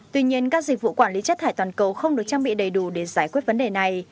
tuy nhiên các dịch vụ quản lý chất thải toàn cầu không được trang bị đầy đủ để giải quyết vấn đề này